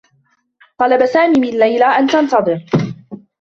طلب سامي من ليلى أن تنتظر.